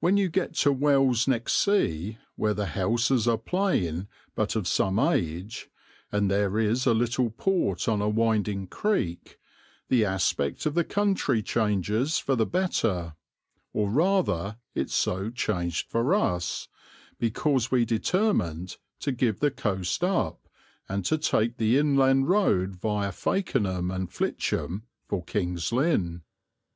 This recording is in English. When you get to Wells next Sea, where the houses are plain but of some age, and there is a little port on a winding creek, the aspect of the country changes for the better; or rather it so changed for us, because we determined to give the coast up and to take the inland road viâ Fakenham and Flitcham for King's Lynn.